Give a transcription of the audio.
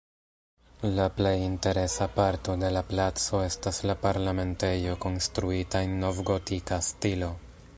La plej interesa parto de la placo estas la Parlamentejo konstruita en novgotika stilo.